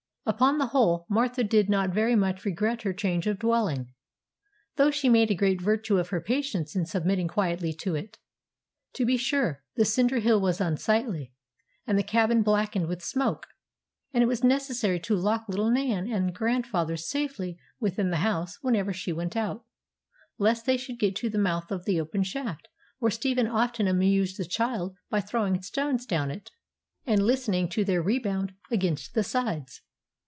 Upon the whole, Martha did not very much regret her change of dwelling, though she made a great virtue of her patience in submitting quietly to it. To be sure, the cinder hill was unsightly, and the cabin blackened with smoke; and it was necessary to lock little Nan and grandfather safely within the house whenever she went out, lest they should get to the mouth of the open shaft, where Stephen often amused the child by throwing stones down it, and listening to their rebound against the sides.